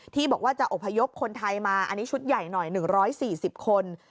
ที่บอกว่าจะอบพยพคนไทยมาอันนี้ชุดใหญ่หน่อย๑๔๐คน